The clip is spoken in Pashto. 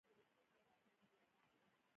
بیا یې څنګ ناستې نجلۍ ته وویل: واده دې کړی؟